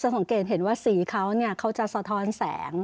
จะสังเกตเห็นว่าสีเขาเขาจะสะท้อนแสง